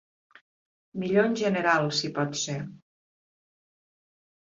Millor en general, si pot ser.